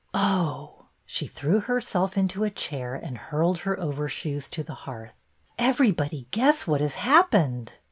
Oh !" She threw herself into a chair and hurled her overshoes to the hearth. Everybody guess what has happened."